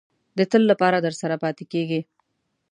د تل لپاره درسره پاتې کېږي.